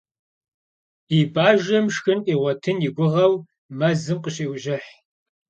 Ди бажэм шхын къигъуэтын и гугъэу мэзым къыщеущыхь.